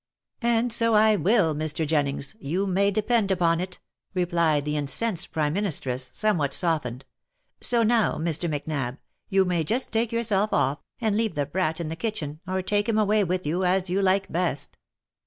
" And so I will, Mr. Jennings, you may depend upon it," replied the incensed prime ministeress, somewhat softened :" so now, Mr. Macnab, you may just take yourself off, and leave the brat in the kitchen, or take him away with you, as you like best."